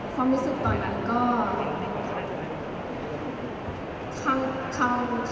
ความรู้สึกตอนนั้นก็เป็น